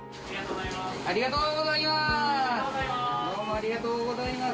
ありがとうございます。